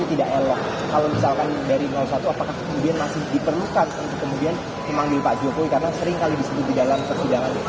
karena seringkali disebut di dalam